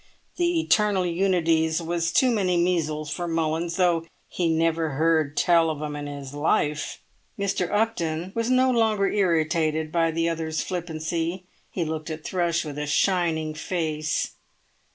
The eternal unities was too many measles for Mullins, though he never heard tell of 'em in his life." Mr. Upton was no longer irritated by the other's flippancy. He looked at Thrush with a shining face.